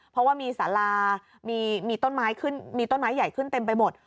เพราะว่ามีสารามีต้นไม้ขึ้นมีต้นไม้ใหญ่ขึ้นเต็มไปหมด